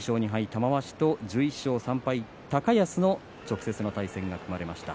玉鷲と１１勝３敗、高安の直接の対戦が組まれました。